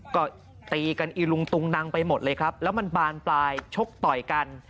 ก็ตีกันอีลุงตุงนังไปหมดเลยครับแล้วมันบานปลายชกต่อยกัน